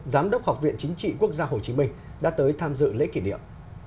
giám đốc học viện chính trị quốc gia hồ chí minh đã tới tham dự lễ kỷ niệm